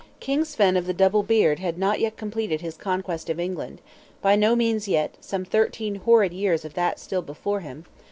King Svein of the Double Beard had not yet completed his conquest of England, by no means yet, some thirteen horrid years of that still before him!